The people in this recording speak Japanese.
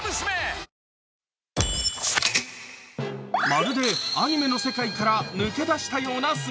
まるでアニメの世界から抜け出したような姿。